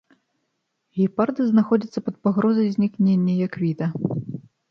Гепарды знаходзяцца пад пагрозай знікнення як віда.